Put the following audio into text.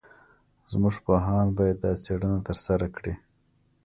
زموږ پوهان باید دا څېړنه ترسره کړي.